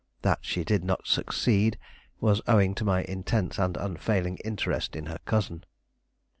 That she did not succeed, was owing to my intense and unfailing interest in her cousin.